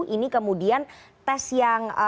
ini kemudian tes yang